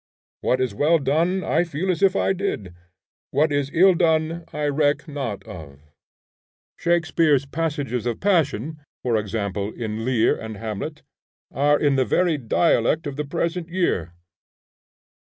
What is well done I feel as if I did; what is ill done I reck not of. Shakspeare's passages of passion (for example, in Lear and Hamlet) are in the very dialect of the present year.